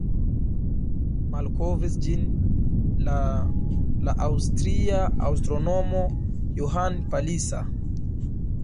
Malkovris ĝin la la aŭstria astronomo Johann Palisa.